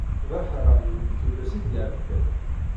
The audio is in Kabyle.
D aḥerrag n tullas i d-iɛeddan.